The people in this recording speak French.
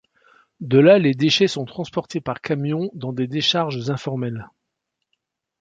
De là, les déchets sont transportés par camion dans des décharges informelles.